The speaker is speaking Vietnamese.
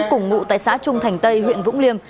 cùng ngụ tại xã trung thành tây huyện vũng liêm